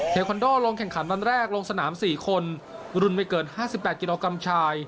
เทคอนโดลงแข่งขันวันแรกลงสนามสี่คนรุ่นไม่เกินห้าสิบแปดกิโลกรัมเช้า